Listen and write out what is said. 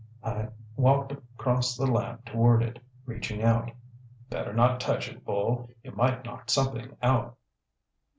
I walked across the lab toward it, reaching out. "Better not touch it, Bull. You might knock something out."